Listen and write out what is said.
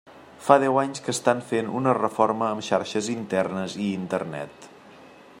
Fa deu anys que estan fent una reforma amb xarxes internes i Internet.